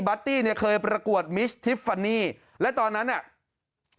ตี้เนี่ยเคยประกวดมิสทิฟฟานีและตอนนั้นน่ะ